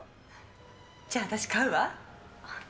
じゃあ、私、買うわ。